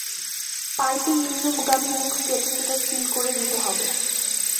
পাইপের নিম্নগামী মুখ কেটে সেটা সিল করে দিতে হবে।